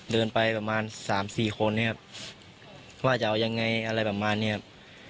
เดินไปประมาณสามสี่คนนะครับว่าจะเอายังไงอะไรประมาณนี้ครับ